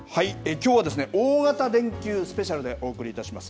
きょうはですね、大型連休スペシャルでお送りいたします。